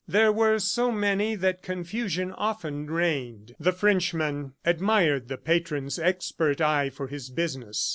There were so many that confusion often reigned. The Frenchman admired the Patron's expert eye for his business.